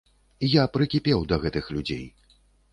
Я прыкіпеў да гэтых людзей.